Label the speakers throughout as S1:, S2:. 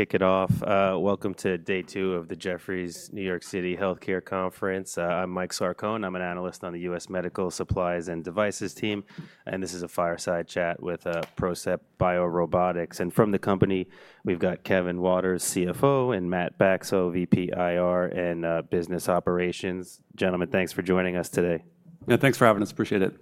S1: Kick it off. Welcome to day two of the Jefferies New York City Healthcare Conference. I'm Mike Sarcone. I'm an analyst on the U.S. Medical Supplies and Devices team, and this is a fireside chat with PROCEPT BioRobotics. From the company, we've got Kevin Waters, CFO, and Matt Bacso, VP IR and Business Operations. Gentlemen, thanks for joining us today.
S2: Yeah, thanks for having us. Appreciate it.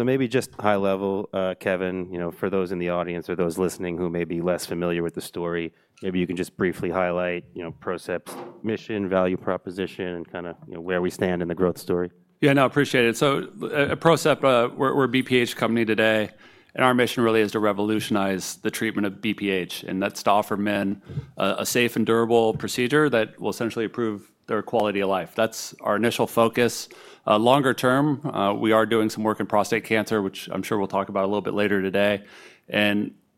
S1: Maybe just high level, Kevin, you know, for those in the audience or those listening who may be less familiar with the story, maybe you can just briefly highlight, you know, PROCEPT's mission, value proposition, and kind of, you know, where we stand in the growth story.
S2: Yeah, no, appreciate it. At PROCEPT, we're a BPH company today, and our mission really is to revolutionize the treatment of BPH, and that's to offer men a safe and durable procedure that will essentially improve their quality of life. That's our initial focus. Longer term, we are doing some work in prostate cancer, which I'm sure we'll talk about a little bit later today.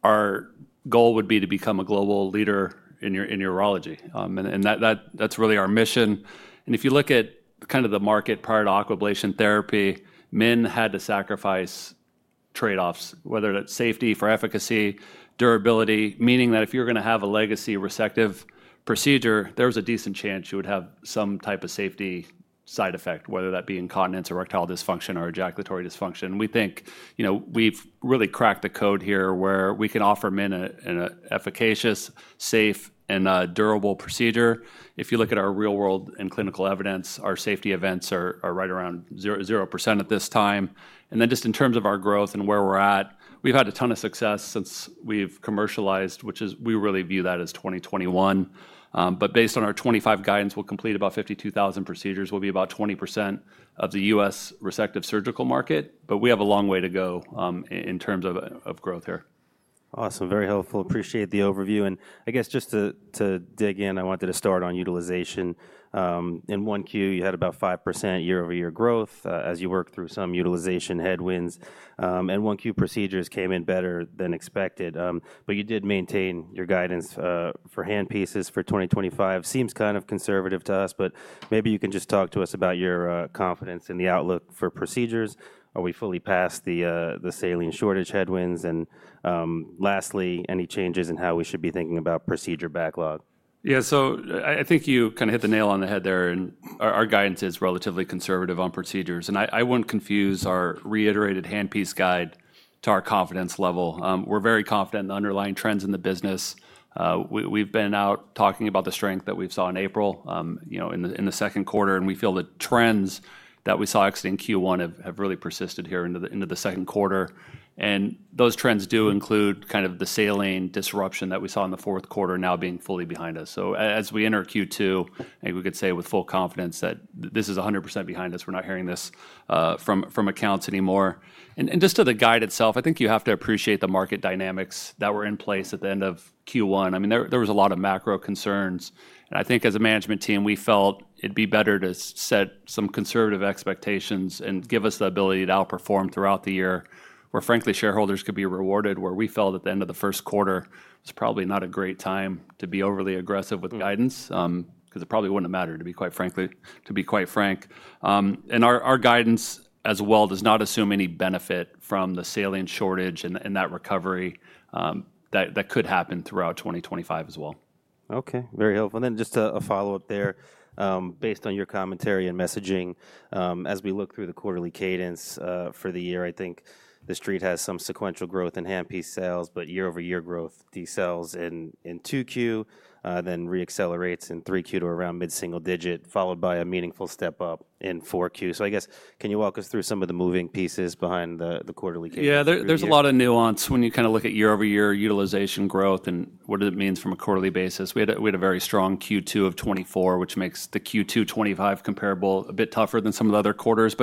S2: Our goal would be to become a global leader in urology. That's really our mission. If you look at kind of the market prior to Aquablation therapy, men had to sacrifice trade-offs, whether that's safety for efficacy, durability, meaning that if you're going to have a legacy resective procedure, there's a decent chance you would have some type of safety side effect, whether that be incontinence or erectile dysfunction or ejaculatory dysfunction. We think, you know, we've really cracked the code here where we can offer men an efficacious, safe, and durable procedure. If you look at our real-world and clinical evidence, our safety events are right around 0% at this time. Just in terms of our growth and where we're at, we've had a ton of success since we've commercialized, which is, we really view that as 2021. Based on our 2025 guidance, we'll complete about 52,000 procedures. We'll be about 20% of the U.S. resective surgical market. We have a long way to go in terms of growth here.
S1: Awesome. Very helpful. Appreciate the overview. I guess just to dig in, I wanted to start on utilization. In 1Q, you had about 5% year-over-year growth as you worked through some utilization headwinds. 1Q procedures came in better than expected. You did maintain your guidance for handpieces for 2025. Seems kind of conservative to us, but maybe you can just talk to us about your confidence in the outlook for procedures. Are we fully past the saline shortage headwinds? Lastly, any changes in how we should be thinking about procedure backlog?
S2: Yeah, so I think you kind of hit the nail on the head there. Our guidance is relatively conservative on procedures. I wouldn't confuse our reiterated handpiece guide to our confidence level. We're very confident in the underlying trends in the business. We've been out talking about the strength that we saw in April, you know, in the second quarter. We feel the trends that we saw exiting Q1 have really persisted here into the second quarter. Those trends do include kind of the saline disruption that we saw in the fourth quarter now being fully behind us. As we enter Q2, I think we could say with full confidence that this is 100% behind us. We're not hearing this from accounts anymore. Just to the guide itself, I think you have to appreciate the market dynamics that were in place at the end of Q1. I mean, there was a lot of macro concerns. I think as a management team, we felt it'd be better to set some conservative expectations and give us the ability to outperform throughout the year where, frankly, shareholders could be rewarded. We felt at the end of the first quarter was probably not a great time to be overly aggressive with guidance because it probably wouldn't have mattered, to be quite frank. Our guidance as well does not assume any benefit from the saline shortage and that recovery that could happen throughout 2025 as well.
S1: Okay, very helpful. Then just a follow-up there. Based on your commentary and messaging, as we look through the quarterly cadence for the year, I think the street has some sequential growth in handpiece sales, but year-over-year growth decels in 2Q, then reaccelerates in 3Q to around mid-single-digit, followed by a meaningful step up in 4Q. I guess, can you walk us through some of the moving pieces behind the quarterly cadence?
S2: Yeah, there's a lot of nuance when you kind of look at year-over-year utilization growth and what it means from a quarterly basis. We had a very strong Q2 2024, which makes the Q2 2025 comparable a bit tougher than some of the other quarters.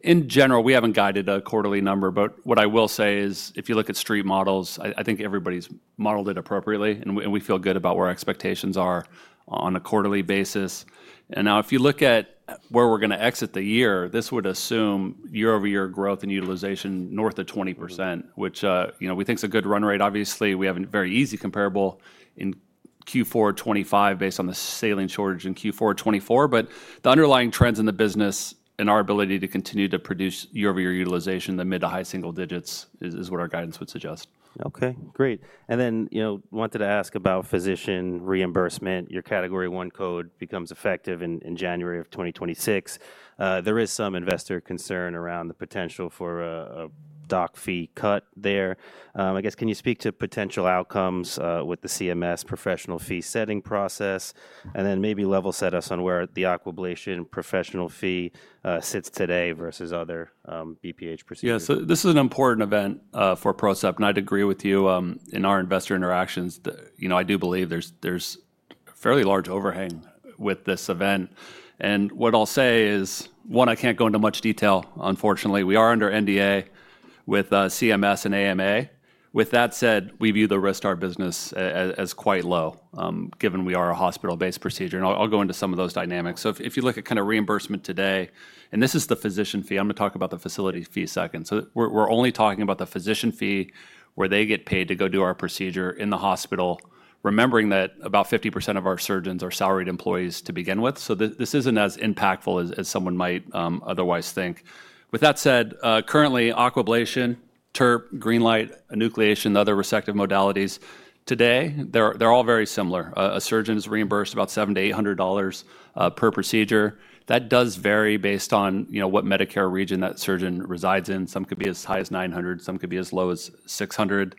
S2: In general, we haven't guided a quarterly number. What I will say is, if you look at street models, I think everybody's modeled it appropriately, and we feel good about where expectations are on a quarterly basis. Now, if you look at where we're going to exit the year, this would assume year-over-year growth and utilization north of 20%, which, you know, we think is a good run rate. Obviously, we have a very easy comparable in Q4 2025 based on the saline shortage in Q4 2024. The underlying trends in the business and our ability to continue to produce year-over-year utilization in the mid to high single digits is what our guidance would suggest.
S1: Okay, great. And then, you know, wanted to ask about physician reimbursement. Your Category I code becomes effective in January of 2026. There is some investor concern around the potential for a doc fee cut there. I guess, can you speak to potential outcomes with the CMS professional fee setting process? And then maybe level set us on where the Aquablation professional fee sits today versus other BPH procedures.
S2: Yeah, so this is an important event for PROCEPT, and I'd agree with you in our investor interactions. You know, I do believe there's fairly large overhang with this event. What I'll say is, one, I can't go into much detail, unfortunately. We are under NDA with CMS and AMA. With that said, we view the risk to our business as quite low, given we are a hospital-based procedure. I'll go into some of those dynamics. If you look at kind of reimbursement today, and this is the physician fee, I'm going to talk about the facility fee second. We're only talking about the physician fee where they get paid to go do our procedure in the hospital, remembering that about 50% of our surgeons are salaried employees to begin with. This isn't as impactful as someone might otherwise think. With that said, currently, Aquablation, TURP, GreenLight, enucleation, the other resective modalities, today, they're all very similar. A surgeon is reimbursed about $700-$800 per procedure. That does vary based on, you know, what Medicare region that surgeon resides in. Some could be as high as $900, some could be as low as $600.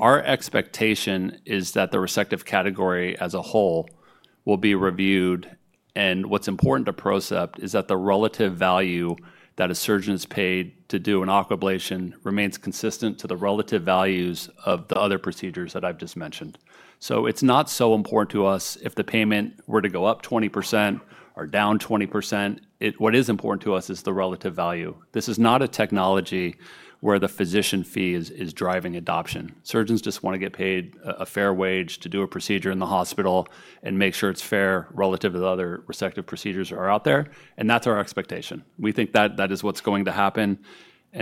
S2: Our expectation is that the resective category as a whole will be reviewed. And what's important to PROCEPT is that the relative value that a surgeon is paid to do an Aquablation remains consistent to the relative values of the other procedures that I've just mentioned. So it's not so important to us if the payment were to go up 20% or down 20%. What is important to us is the relative value. This is not a technology where the physician fee is driving adoption. Surgeons just want to get paid a fair wage to do a procedure in the hospital and make sure it's fair relative to the other resective procedures that are out there. That is our expectation. We think that that is what's going to happen.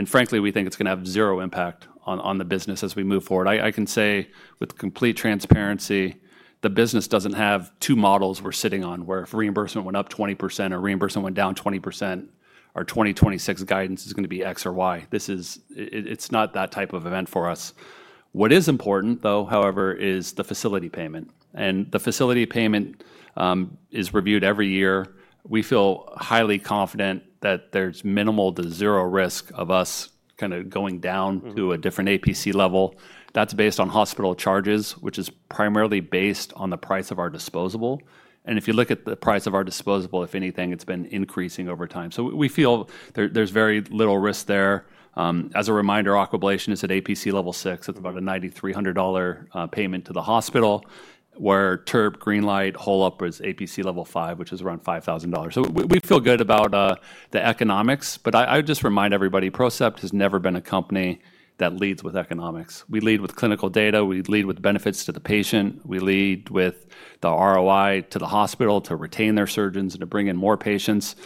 S2: Frankly, we think it's going to have zero impact on the business as we move forward. I can say with complete transparency, the business doesn't have two models we're sitting on where if reimbursement went up 20% or reimbursement went down 20%, our 2026 guidance is going to be X or Y. This is, it's not that type of event for us. What is important, though, however, is the facility payment. The facility payment is reviewed every year. We feel highly confident that there's minimal to zero risk of us kind of going down to a different APC level. That's based on hospital charges, which is primarily based on the price of our disposable. And if you look at the price of our disposable, if anything, it's been increasing over time. So we feel there's very little risk there. As a reminder, Aquablation is at APC Level 6. It's about a $9,300 payment to the hospital where TURP, GreenLight, HoLEP is APC Level 5, which is around $5,000. We feel good about the economics. I would just remind everybody, PROCEPT has never been a company that leads with economics. We lead with clinical data. We lead with benefits to the patient. We lead with the ROI to the hospital to retain their surgeons and to bring in more patients.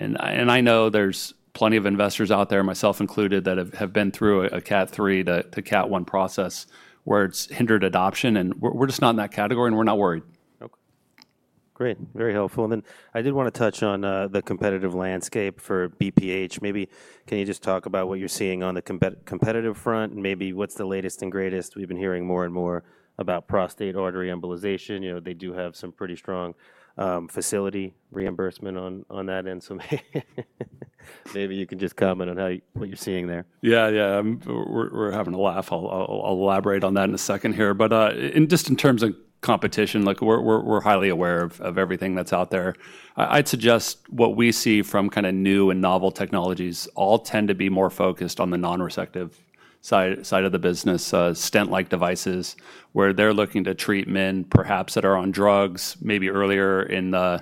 S2: I know there's plenty of investors out there, myself included, that have been through a Cat III to Cat I process where it's hindered adoption. We're just not in that category, and we're not worried.
S1: Okay, great. Very helpful. I did want to touch on the competitive landscape for BPH. Maybe can you just talk about what you're seeing on the competitive front? Maybe what's the latest and greatest? We've been hearing more and more about prostate artery embolization. You know, they do have some pretty strong facility reimbursement on that end. Maybe you can just comment on what you're seeing there.
S2: Yeah, yeah. We're having a laugh. I'll elaborate on that in a second here. Just in terms of competition, like we're highly aware of everything that's out there. I'd suggest what we see from kind of new and novel technologies all tend to be more focused on the non-resective side of the business, stent-like devices, where they're looking to treat men perhaps that are on drugs maybe earlier in the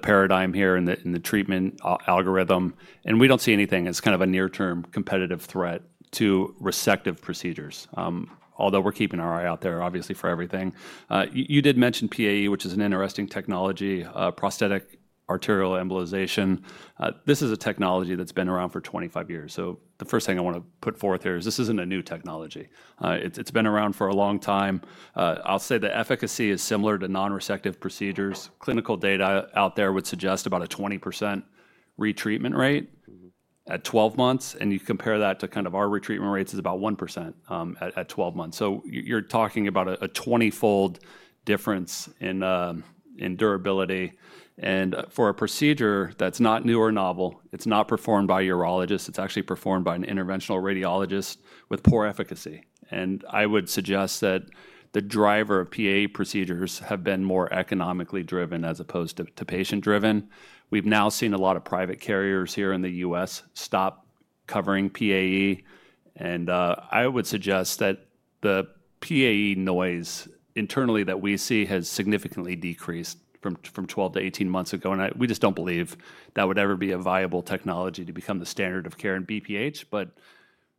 S2: paradigm here in the treatment algorithm. We don't see anything as kind of a near-term competitive threat to resective procedures, although we're keeping our eye out there, obviously, for everything. You did mention PAE, which is an interesting technology, prostate artery embolization. This is a technology that's been around for 25 years. The first thing I want to put forth here is this isn't a new technology. It's been around for a long time. I'll say the efficacy is similar to non-resective procedures. Clinical data out there would suggest about a 20% retreatment rate at 12 months. You compare that to kind of our retreatment rates, which is about 1% at 12 months. You're talking about a 20-fold difference in durability. For a procedure that's not new or novel, it's not performed by a urologist. It's actually performed by an interventional radiologist with poor efficacy. I would suggest that the driver of PAE procedures has been more economically driven as opposed to patient-driven. We've now seen a lot of private carriers here in the U.S. stop covering PAE. I would suggest that the PAE noise internally that we see has significantly decreased from 12-18 months ago. We just don't believe that would ever be a viable technology to become the standard of care in BPH. It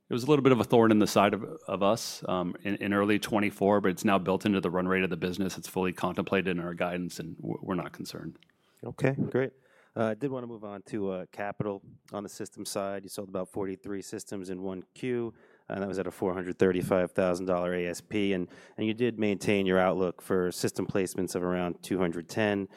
S2: was a little bit of a thorn in the side of us in early 2024, but it's now built into the run rate of the business. It's fully contemplated in our guidance, and we're not concerned.
S1: Okay, great. I did want to move on to capital on the system side. You sold about 43 systems in 1Q, and that was at a $435,000 ASP. You did maintain your outlook for system placements of around 210.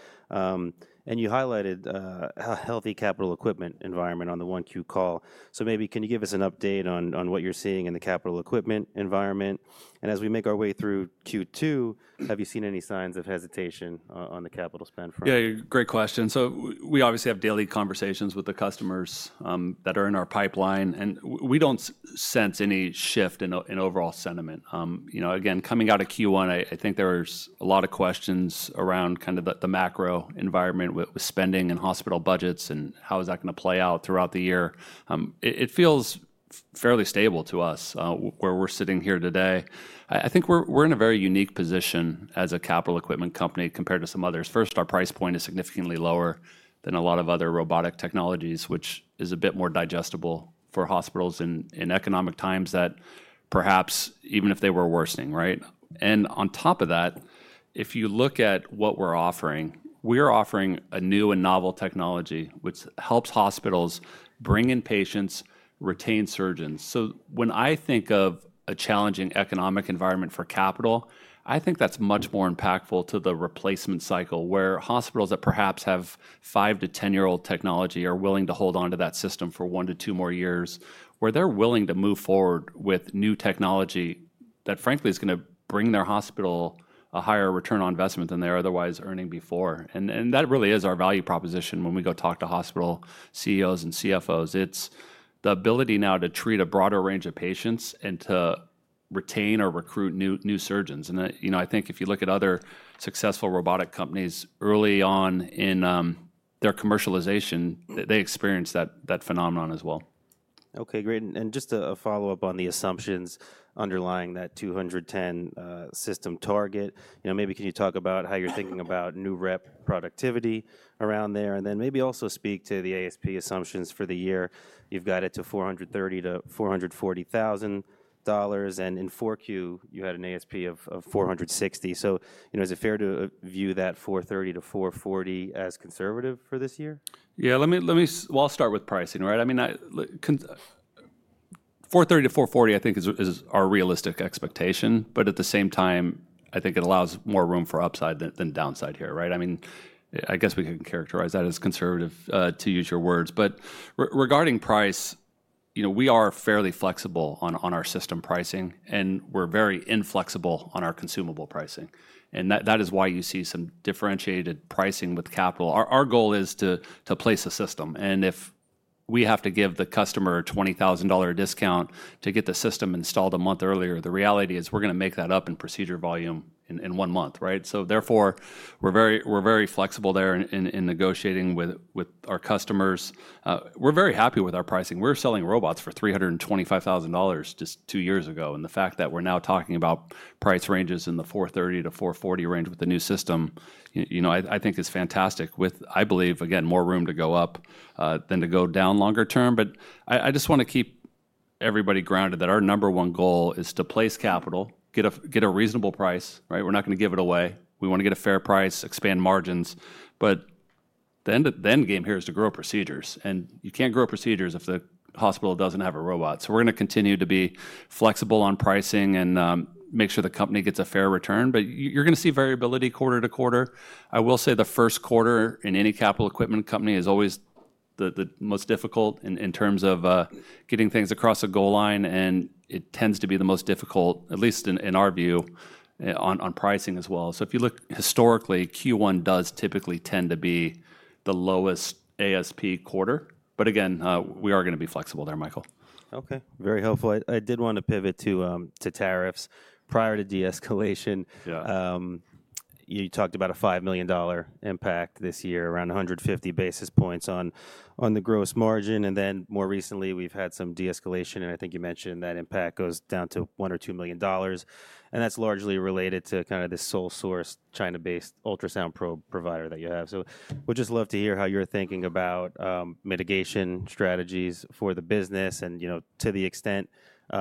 S1: You highlighted a healthy capital equipment environment on the 1Q call. Maybe can you give us an update on what you're seeing in the capital equipment environment? As we make our way through Q2, have you seen any signs of hesitation on the capital spend front?
S2: Yeah, great question. So we obviously have daily conversations with the customers that are in our pipeline. We do not sense any shift in overall sentiment. You know, again, coming out of Q1, I think there were a lot of questions around kind of the macro environment with spending and hospital budgets and how is that going to play out throughout the year. It feels fairly stable to us where we are sitting here today. I think we are in a very unique position as a capital equipment company compared to some others. First, our price point is significantly lower than a lot of other robotic technologies, which is a bit more digestible for hospitals in economic times that perhaps even if they were worsening, right? If you look at what we're offering, we are offering a new and novel technology, which helps hospitals bring in patients, retain surgeons. When I think of a challenging economic environment for capital, I think that's much more impactful to the replacement cycle where hospitals that perhaps have five- to ten-year-old technology are willing to hold on to that system for one to two more years, where they're willing to move forward with new technology that, frankly, is going to bring their hospital a higher return on investment than they're otherwise earning before. That really is our value proposition when we go talk to hospital CEOs and CFOs. It's the ability now to treat a broader range of patients and to retain or recruit new surgeons. You know, I think if you look at other successful robotic companies early on in their commercialization, they experience that phenomenon as well.
S1: Okay, great. And just a follow-up on the assumptions underlying that 210 system target. You know, maybe can you talk about how you're thinking about new rep productivity around there? And then maybe also speak to the ASP assumptions for the year. You've got it to $430,000-$440,000. And in 4Q, you had an ASP of $460,000. So, you know, is it fair to view that $430,000-$440,000 as conservative for this year?
S2: Yeah, let me, let me, I'll start with pricing, right? I mean, $430,000-$440,000 I think is our realistic expectation. At the same time, I think it allows more room for upside than downside here, right? I mean, I guess we can characterize that as conservative to use your words. Regarding price, you know, we are fairly flexible on our system pricing, and we're very inflexible on our consumable pricing. That is why you see some differentiated pricing with capital. Our goal is to place a system. If we have to give the customer a $20,000 discount to get the system installed a month earlier, the reality is we're going to make that up in procedure volume in one month, right? Therefore, we're very flexible there in negotiating with our customers. We're very happy with our pricing. We were selling robots for $325,000 just two years ago. The fact that we're now talking about price ranges in the $430,000-$440,000 range with the new system, you know, I think is fantastic with, I believe, again, more room to go up than to go down longer term. I just want to keep everybody grounded that our number one goal is to place capital, get a reasonable price, right? We're not going to give it away. We want to get a fair price, expand margins. The end game here is to grow procedures. You can't grow procedures if the hospital doesn't have a robot. We're going to continue to be flexible on pricing and make sure the company gets a fair return. You're going to see variability quarter to quarter. I will say the first quarter in any capital equipment company is always the most difficult in terms of getting things across the goal line. It tends to be the most difficult, at least in our view, on pricing as well. If you look historically, Q1 does typically tend to be the lowest ASP quarter. Again, we are going to be flexible there, Michael.
S1: Okay, very helpful. I did want to pivot to tariffs. Prior to de-escalation, you talked about a $5 million impact this year, around 150 basis points on the gross margin. More recently, we've had some de-escalation. I think you mentioned that impact goes down to $1 million or $2 million. That's largely related to kind of the sole source China-based ultrasound probe provider that you have. We'd just love to hear how you're thinking about mitigation strategies for the business and, you know, to the extent we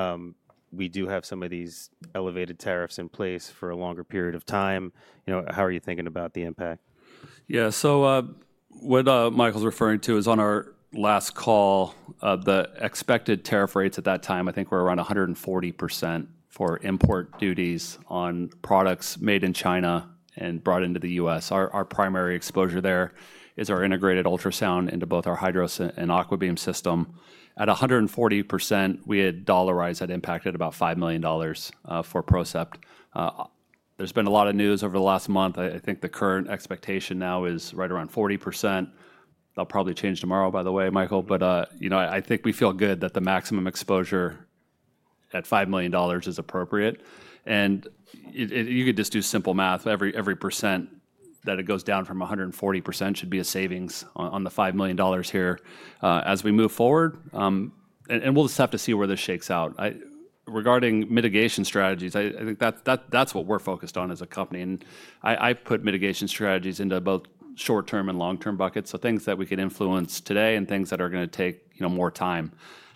S1: do have some of these elevated tariffs in place for a longer period of time. You know, how are you thinking about the impact?
S2: Yeah, so what Michael's referring to is on our last call, the expected tariff rates at that time, I think were around 140% for import duties on products made in China and brought into the U.S. Our primary exposure there is our integrated ultrasound into both our HYDROS and AquaBeam system. At 140%, we had dollarized that impact at about $5 million for PROCEPT. There's been a lot of news over the last month. I think the current expectation now is right around 40%. That'll probably change tomorrow, by the way, Michael. You know, I think we feel good that the maximum exposure at $5 million is appropriate. You could just do simple math. Every percent that it goes down from 140% should be a savings on the $5 million here as we move forward. We'll just have to see where this shakes out. Regarding mitigation strategies, I think that's what we're focused on as a company. I put mitigation strategies into both short-term and long-term buckets. Things that we can influence today and things that are going to take more time.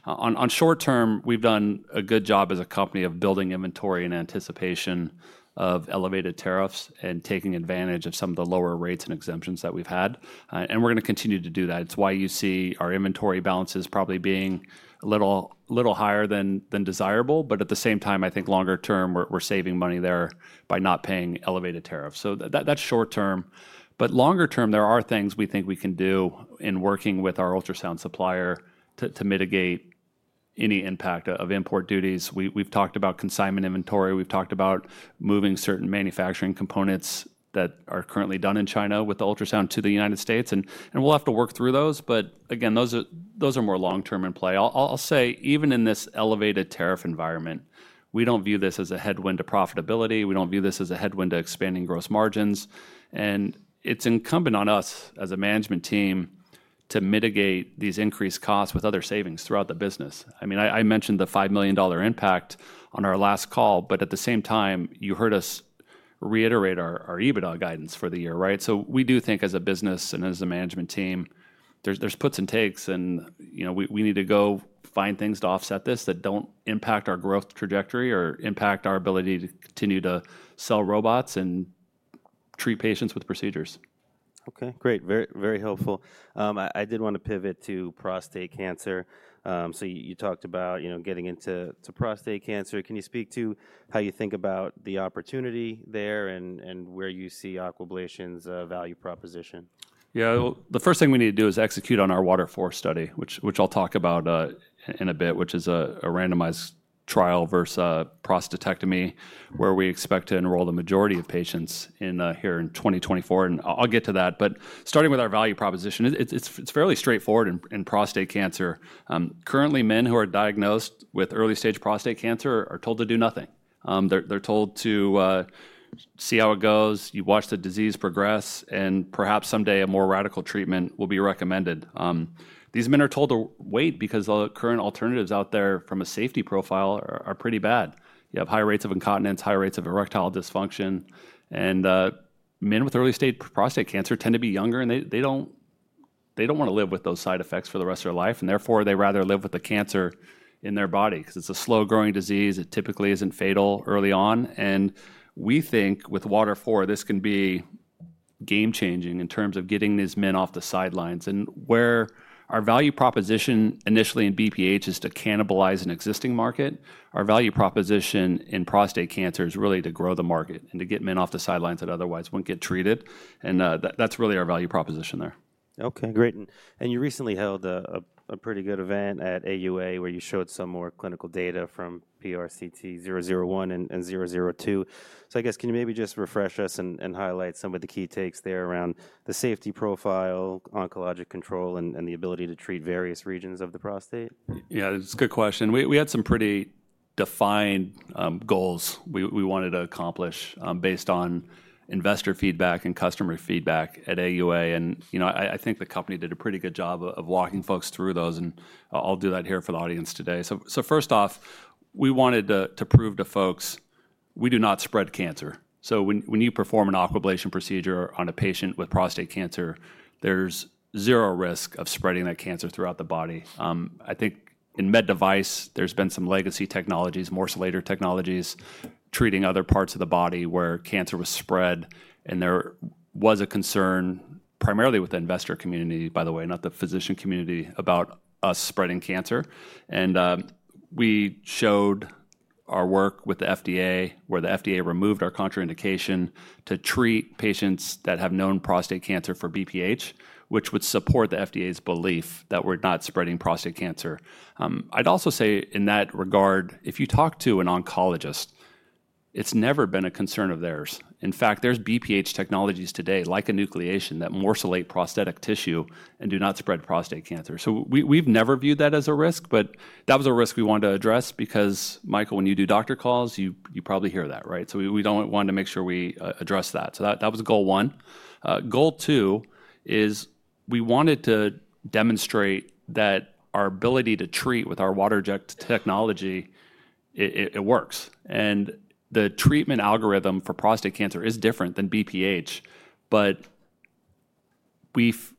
S2: On short-term, we've done a good job as a company of building inventory in anticipation of elevated tariffs and taking advantage of some of the lower rates and exemptions that we've had. We're going to continue to do that. It's why you see our inventory balances probably being a little higher than desirable. At the same time, I think longer-term, we're saving money there by not paying elevated tariffs. That's short-term. Longer-term, there are things we think we can do in working with our ultrasound supplier to mitigate any impact of import duties. We've talked about consignment inventory. We've talked about moving certain manufacturing components that are currently done in China with the ultrasound to the United States. We'll have to work through those. Again, those are more long-term in play. I'll say, even in this elevated tariff environment, we don't view this as a headwind to profitability. We don't view this as a headwind to expanding gross margins. It's incumbent on us as a management team to mitigate these increased costs with other savings throughout the business. I mean, I mentioned the $5 million impact on our last call. At the same time, you heard us reiterate our EBITDA guidance for the year, right? We do think as a business and as a management team, there's puts and takes. You know, we need to go find things to offset this that do not impact our growth trajectory or impact our ability to continue to sell robots and treat patients with procedures.
S1: Okay, great. Very helpful. I did want to pivot to prostate cancer. You talked about, you know, getting into prostate cancer. Can you speak to how you think about the opportunity there and where you see Aquablation's value proposition?
S2: Yeah, the first thing we need to do is execute on our WATER IV Study, which I'll talk about in a bit, which is a randomized trial versus prostatectomy where we expect to enroll the majority of patients here in 2024. I'll get to that. Starting with our value proposition, it's fairly straightforward in prostate cancer. Currently, men who are diagnosed with early-stage prostate cancer are told to do nothing. They're told to see how it goes. You watch the disease progress, and perhaps someday a more radical treatment will be recommended. These men are told to wait because the current alternatives out there from a safety profile are pretty bad. You have high rates of incontinence, high rates of erectile dysfunction. Men with early-stage prostate cancer tend to be younger, and they don't want to live with those side effects for the rest of their life. They rather live with the cancer in their body because it's a slow-growing disease. It typically isn't fatal early on. We think with WATER IV, this can be game-changing in terms of getting these men off the sidelines. Where our value proposition initially in BPH is to cannibalize an existing market, our value proposition in prostate cancer is really to grow the market and to get men off the sidelines that otherwise wouldn't get treated. That's really our value proposition there.
S1: Okay, great. You recently held a pretty good event at AUA where you showed some more clinical data from PRCT001 and 002. I guess, can you maybe just refresh us and highlight some of the key takes there around the safety profile, oncologic control, and the ability to treat various regions of the prostate?
S2: Yeah, it's a good question. We had some pretty defined goals we wanted to accomplish based on investor feedback and customer feedback at AUA. You know, I think the company did a pretty good job of walking folks through those. I'll do that here for the audience today. First off, we wanted to prove to folks we do not spread cancer. When you perform an Aquablation procedure on a patient with prostate cancer, there's zero risk of spreading that cancer throughout the body. I think in med device, there's been some legacy technologies, more later technologies treating other parts of the body where cancer was spread. There was a concern primarily with the investor community, by the way, not the physician community, about us spreading cancer. We showed our work with the FDA where the FDA removed our contraindication to treat patients that have known prostate cancer for BPH, which would support the FDA's belief that we're not spreading prostate cancer. I'd also say in that regard, if you talk to an oncologist, it's never been a concern of theirs. In fact, there are BPH technologies today, like enucleation, that morcellate prostatic tissue and do not spread prostate cancer. We've never viewed that as a risk, but that was a risk we wanted to address because, Michael, when you do doctor calls, you probably hear that, right? We wanted to make sure we address that. That was goal one. Goal two is we wanted to demonstrate that our ability to treat with our water-injected technology, it works. The treatment algorithm for prostate cancer is different than BPH. We have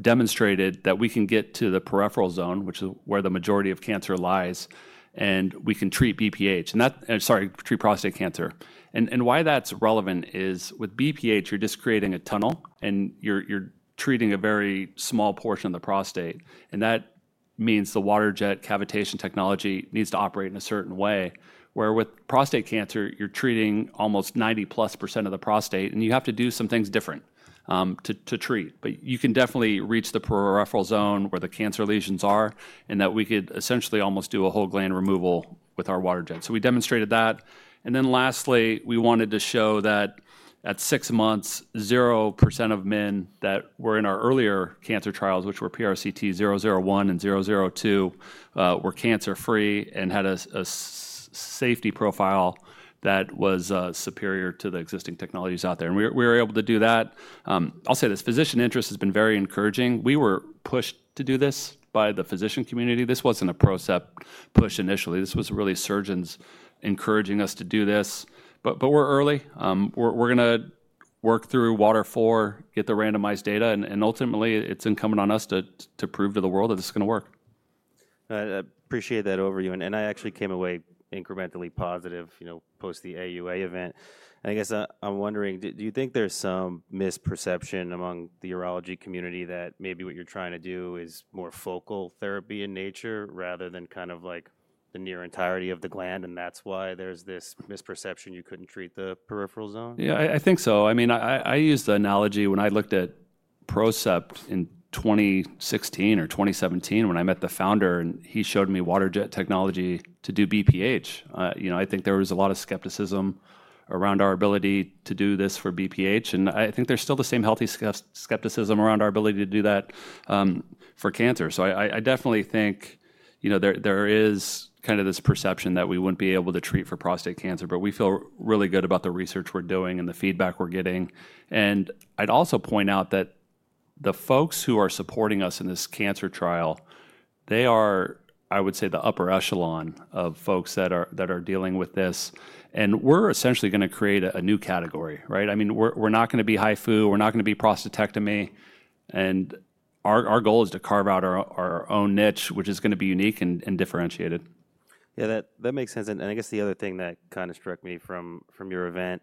S2: demonstrated that we can get to the peripheral zone, which is where the majority of cancer lies, and we can treat BPH, and, sorry, treat prostate cancer. Why that's relevant is with BPH, you're just creating a tunnel, and you're treating a very small portion of the prostate. That means the water-jet cavitation technology needs to operate in a certain way, where with prostate cancer, you're treating almost 90%+ of the prostate, and you have to do some things different to treat. You can definitely reach the peripheral zone where the cancer lesions are, and we could essentially almost do a whole gland removal with our water jet. We demonstrated that. Lastly, we wanted to show that at six months, 0% of men that were in our earlier cancer trials, which were PRCT001 and 002, were cancer-free and had a safety profile that was superior to the existing technologies out there. We were able to do that. I'll say this, physician interest has been very encouraging. We were pushed to do this by the physician community. This was not a PROCEPT push initially. This was really surgeons encouraging us to do this. We are early. We are going to work through WATER IV, get the randomized data, and ultimately, it is incumbent on us to prove to the world that this is going to work.
S1: I appreciate that overview. I actually came away incrementally positive, you know, post the AUA event. I guess I'm wondering, do you think there's some misperception among the urology community that maybe what you're trying to do is more focal therapy in nature rather than kind of like the near entirety of the gland? That's why there's this misperception you couldn't treat the peripheral zone?
S2: Yeah, I think so. I mean, I used the analogy when I looked at PROCEPT in 2016 or 2017 when I met the founder, and he showed me water jet technology to do BPH. You know, I think there was a lot of skepticism around our ability to do this for BPH. I think there's still the same healthy skepticism around our ability to do that for cancer. I definitely think, you know, there is kind of this perception that we wouldn't be able to treat for prostate cancer, but we feel really good about the research we're doing and the feedback we're getting. I'd also point out that the folks who are supporting us in this cancer trial, they are, I would say, the upper echelon of folks that are dealing with this. We're essentially going to create a new category, right? I mean, we're not going to be HIFU. We're not going to be prostatectomy. Our goal is to carve out our own niche, which is going to be unique and differentiated.
S1: Yeah, that makes sense. I guess the other thing that kind of struck me from your event,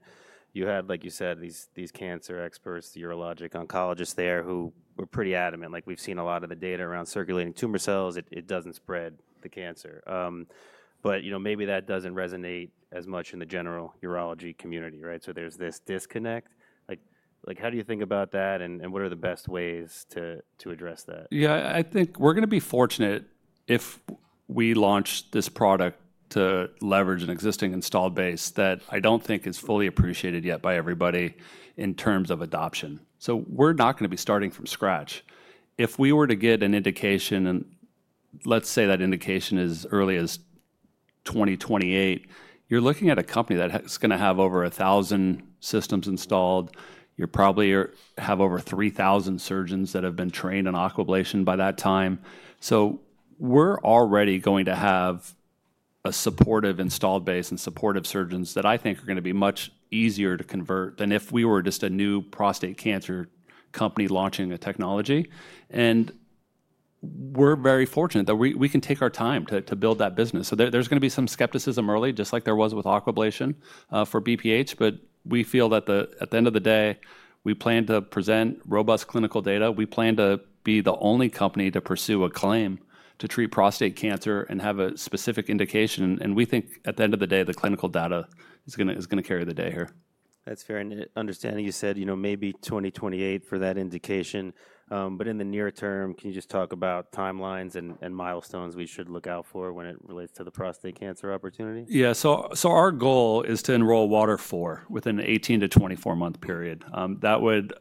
S1: you had, like you said, these cancer experts, urologic oncologists there who were pretty adamant. Like we've seen a lot of the data around circulating tumor cells. It doesn't spread the cancer. You know, maybe that doesn't resonate as much in the general urology community, right? There is this disconnect. How do you think about that? What are the best ways to address that?
S2: Yeah, I think we're going to be fortunate if we launch this product to leverage an existing installed base that I don't think is fully appreciated yet by everybody in terms of adoption. We're not going to be starting from scratch. If we were to get an indication, and let's say that indication is as early as 2028, you're looking at a company that's going to have over 1,000 systems installed. You probably have over 3,000 surgeons that have been trained in Aquablation by that time. We're already going to have a supportive installed base and supportive surgeons that I think are going to be much easier to convert than if we were just a new prostate cancer company launching a technology. We're very fortunate that we can take our time to build that business. There's going to be some skepticism early, just like there was with Aquablation for BPH. We feel that at the end of the day, we plan to present robust clinical data. We plan to be the only company to pursue a claim to treat prostate cancer and have a specific indication. We think at the end of the day, the clinical data is going to carry the day here.
S1: That's fair. And understanding you said, you know, maybe 2028 for that indication. In the near term, can you just talk about timelines and milestones we should look out for when it relates to the prostate cancer opportunity?
S2: Yeah, so our goal is to enroll WATER IV within an 18-24 month period. That would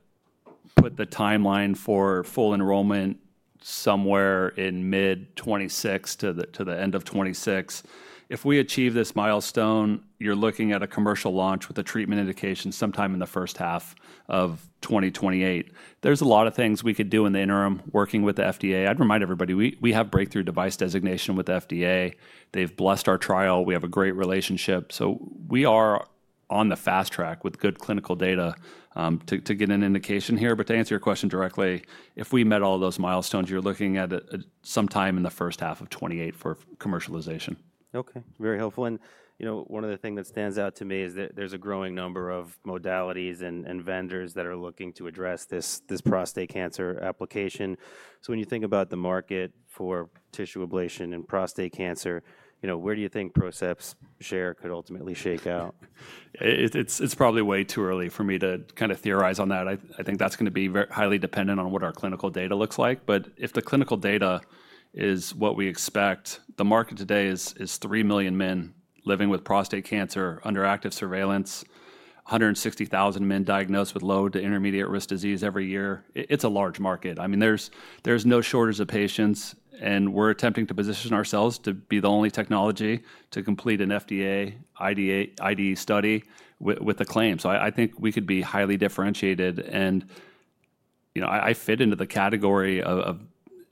S2: put the timeline for full enrollment somewhere in mid-2026 to the end of 2026. If we achieve this milestone, you're looking at a commercial launch with a treatment indication sometime in the first half of 2028. There's a lot of things we could do in the interim working with the FDA. I'd remind everybody we have breakthrough device designation with the FDA. They've blessed our trial. We have a great relationship. We are on the fast track with good clinical data to get an indication here. To answer your question directly, if we met all those milestones, you're looking at sometime in the first half of 2028 for commercialization.
S1: Okay, very helpful. You know, one of the things that stands out to me is there's a growing number of modalities and vendors that are looking to address this prostate cancer application. When you think about the market for tissue ablation and prostate cancer, you know, where do you think PROCEPT's share could ultimately shake out?
S2: It's probably way too early for me to kind of theorize on that. I think that's going to be highly dependent on what our clinical data looks like. But if the clinical data is what we expect, the market today is 3 million men living with prostate cancer under active surveillance, 160,000 men diagnosed with low to intermediate risk disease every year. It's a large market. I mean, there's no shortage of patients. And we're attempting to position ourselves to be the only technology to complete an FDA IDE study with a claim. So I think we could be highly differentiated. And, you know, I fit into the category of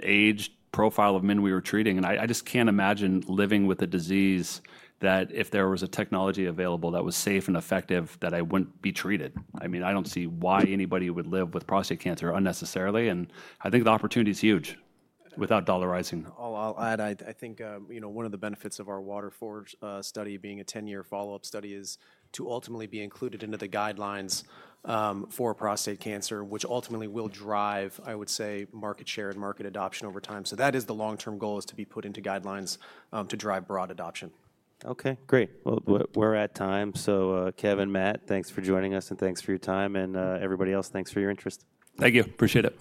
S2: age profile of men we were treating. And I just can't imagine living with a disease that if there was a technology available that was safe and effective, that I wouldn't be treated. I mean, I don't see why anybody would live with prostate cancer unnecessarily. I think the opportunity is huge without dollarizing.
S3: I'll add, I think, you know, one of the benefits of our WATER IV study being a 10-year follow-up study is to ultimately be included into the guidelines for prostate cancer, which ultimately will drive, I would say, market share and market adoption over time. That is the long-term goal, to be put into guidelines to drive broad adoption.
S1: Okay, great. We're at time. Kevin, Matt, thanks for joining us, and thanks for your time. Everybody else, thanks for your interest.
S2: Thank you. Appreciate it.